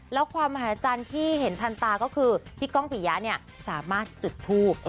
แล้วความมหาจันทร์ที่เห็นทันตาก็คือพี่ก้องผียะเนี่ยสามารถจุดทูบ